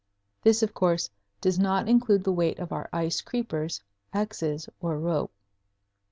This, of course, does not include the weight of our ice creepers, axes, or rope.